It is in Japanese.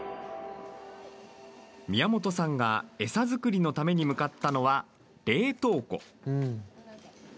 宮本さんが餌作りのために向かったのは、冷凍庫。